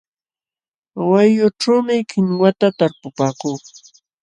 Wayqućhuumi kinwata talpupaakuu.